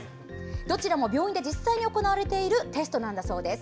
どちらも病院で実際に行われているテストなんだそうです。